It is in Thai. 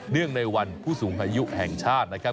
ในวันผู้สูงอายุแห่งชาตินะครับ